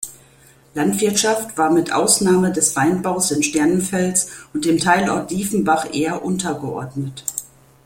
Landwirtschaft war mit Ausnahme des Weinbaus in Sternenfels und dem Teilort Diefenbach eher untergeordnet.